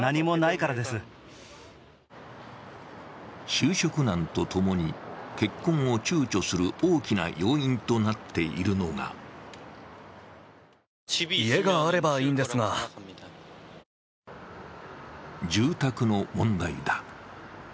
就職難とともに結婚をちゅうちょする大きな要因となっているのが住宅の問題だ。